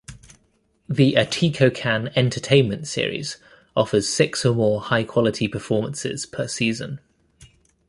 The Atikokan Entertainment Series offers six or more high quality performances per season.